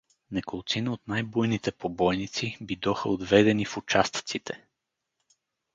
Неколцина от най-буйните побойници бидоха отведени в участъците.